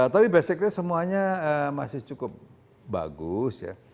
tapi basicnya semuanya masih cukup bagus ya